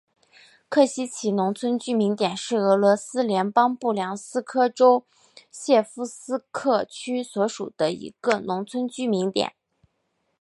科西齐农村居民点是俄罗斯联邦布良斯克州谢夫斯克区所属的一个农村居民点。